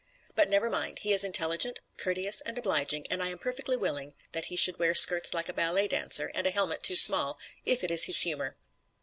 But never mind; he is intelligent, courteous and obliging, and I am perfectly willing that he should wear skirts like a ballet dancer and a helmet too small, if it is his humor.